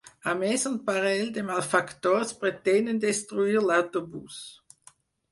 A més, un parell de malfactors pretenen destruir l'autobús.